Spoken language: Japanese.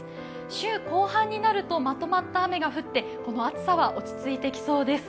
週後半になるとまとまった雨が降ってこの暑さは落ち着いてきそうです。